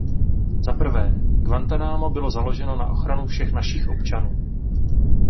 Zaprvé, Guantánamo bylo založeno na ochranu všech našich občanů.